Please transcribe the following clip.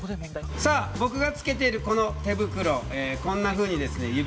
さあボクがつけているこの手袋こんなふうにですね